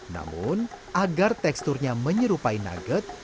namun agar teksturnya menyerupai nugget